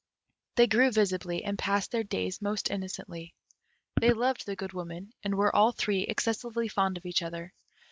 They grew visibly, and passed their days most innocently; they loved the Good Woman, and were all three excessively fond of each other.